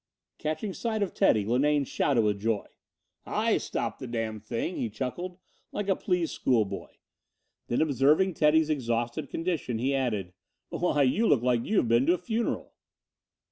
Catching sight of Teddy, Linane shouted with joy. "I stopped the damned thing," he chuckled, like a pleased schoolboy. Then, observing Teddy's exhausted condition he added: "Why, you look like you have been to a funeral!"